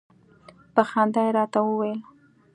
په خندا يې راته وویل.